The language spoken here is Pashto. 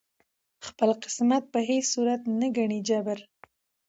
خپل قسمت په هیڅ صورت نه ګڼي جبر